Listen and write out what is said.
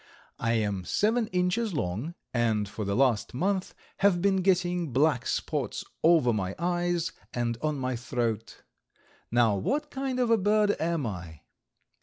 I am seven inches long, and for the last month have been getting black spots over my eyes and on my throat. Now what kind of a bird am I?